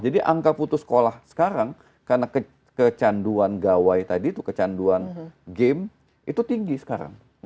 jadi angka putus sekolah sekarang karena kecanduan gawai tadi itu kecanduan game itu tinggi sekarang